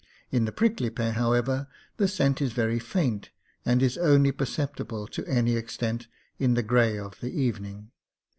In the prickly pear, however, the scent is very faint, and is only perceptible to any extent in the gray of the evening.